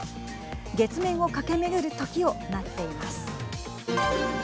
月面をかけめぐる時を待っています。